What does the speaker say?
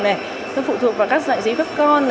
nó phụ thuộc vào các dạng dưới phép con